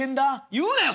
言うなよ